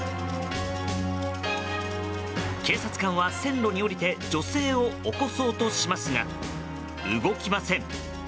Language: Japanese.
警察官は、線路に下りて女性を起こそうとしますが動きません。